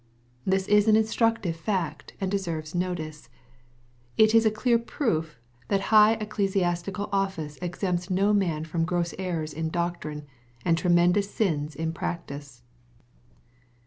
This is an instructive fact, and deserves notice. It is B clear proof that high ecclesiastical office exempts no man from gross errors m doctrine, and tremendous sins in practice.